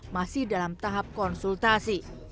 masih dalam tahap konsultasi